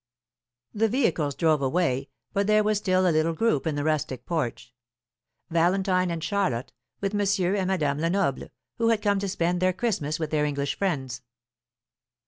The vehicles drove away, but there was still a little group in the rustic porch. Valentine and Charlotte, with Monsieur and Madame Lenoble, who had come to spend their Christmas with their English friends.